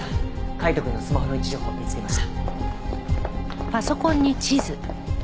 海斗くんのスマホの位置情報見つけました。